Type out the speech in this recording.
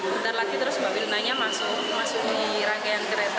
bentar lagi terus mbak firnanya masuk di rangkaian kereta